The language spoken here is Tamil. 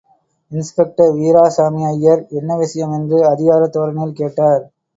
இன்ஸ்பெக்டர் வீராசாமி ஐயர் என்ன விஷயம் என்று அதிகாரத் தோரணையில் கேட்டார்.